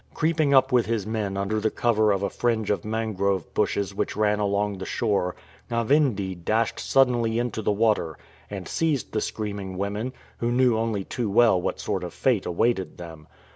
Creeping up with his men under the cover of a fringe of mangrove bushes which ran along the shore, Ngavindi dashed suddenly into the water and seized the screaming women, who knew only too well what sort of fate awaited them.